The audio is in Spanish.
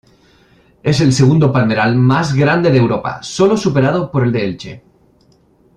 Es el segundo palmeral más grande de Europa, solo superado por el de Elche.